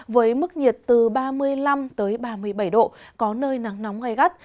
với mức nhiệt từ ba mươi năm tới ba mươi bảy độ có nơi nắng nóng gây gắt